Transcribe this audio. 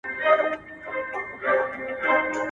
هر شخص باید د خپلې وسې مطابق مرسته وکړي.